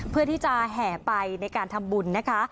เพื่อที่จะแห่ไปในการทำบุญนะคะ